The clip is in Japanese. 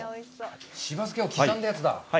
しば漬けを刻んだやつだ。